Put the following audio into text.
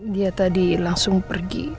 dia tadi langsung pergi